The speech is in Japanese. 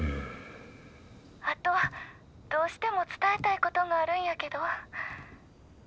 「あとどうしても伝えたいことがあるんやけど」。